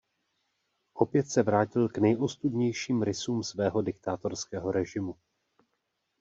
Opět se vrátil k nejostudnějším rysům svého diktátorského režimu.